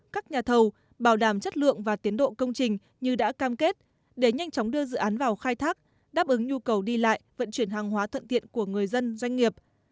các nhà thầu bảo đảm chất lượng và tiến độ công trình như đã cam kết để nhanh chóng đưa dự án vào khai thác đáp ứng nhu cầu đi lại vận chuyển hàng hóa thuận tiện của người dân doanh nghiệp